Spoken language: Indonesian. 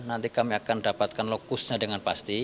nanti kami akan dapatkan lokusnya dengan pasti